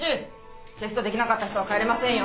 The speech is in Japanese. テストできなかった人は帰れませんよ。